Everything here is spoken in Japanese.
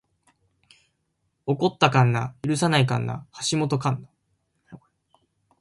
起こった神無許さない神無橋本神無